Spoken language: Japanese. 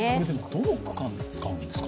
どの区間で使うんですか？